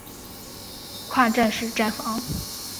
跨站式站房。